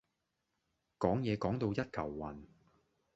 講野講到一嚿雲